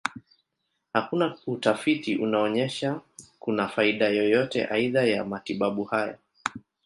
Hakuna utafiti unaonyesha kuna faida yoyote aidha ya matibabu haya.